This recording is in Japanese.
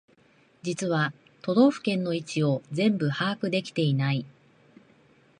実は都道府県の位置を全部把握できてない